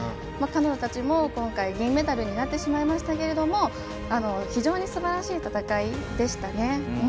彼女たちも今回銀メダルになってしまいましたが非常にすばらしい戦いでしたね。